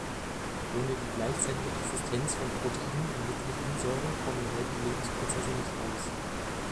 Ohne die gleichzeitige Existenz von Proteinen und Nukleinsäuren kommen heutige Lebensprozesse nicht aus.